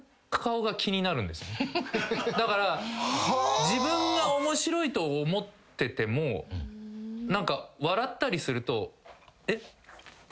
だから自分が面白いと思ってても笑ったりすると。